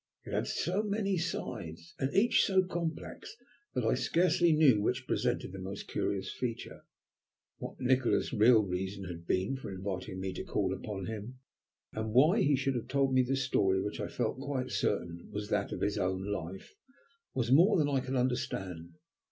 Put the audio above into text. It had so many sides, and each so complex, that I scarcely knew which presented the most curious feature. What Nikola's real reason had been for inviting me to call upon him, and why he should have told me the story, which I felt quite certain was that of his own life, was more than I could understand.